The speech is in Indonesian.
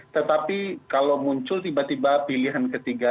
tetapi kalau muncul tiba tiba pilihan ketiga